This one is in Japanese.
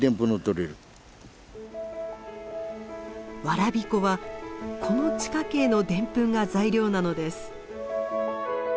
わらび粉はこの地下茎のデンプンが材料なのです。